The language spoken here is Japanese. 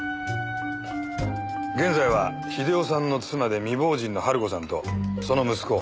現在は英雄さんの妻で未亡人の晴子さんとその息子